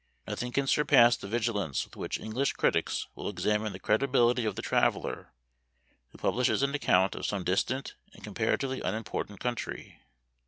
Nothing can surpass the vigilance with which English critics will examine the credibility of the traveller who publishes an account of some distant and comparatively unimportant country.